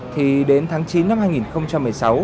thì đến tháng chín năm hai nghìn một mươi sáu